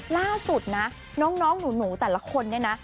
ล่าสุดนะน้องหนูแต่ละคนเนี่ยนะ